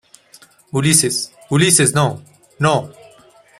Ulises. ¡ Ulises, no! ¡ no!